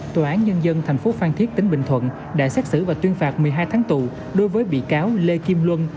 tòa án nhân dân thành phố phan thiết tỉnh bình thuận đã xét xử và tuyên phạt một mươi hai tháng tù đối với bị cáo lê kim luân